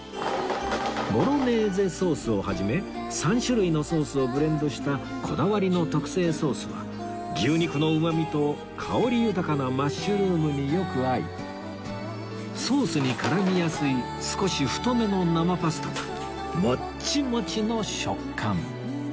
ボロネーゼソースを始め３種類のソースをブレンドしたこだわりの特製ソースは牛肉のうまみと香り豊かなマッシュルームによく合いソースに絡みやすい少し太めの生パスタはもっちもちの食感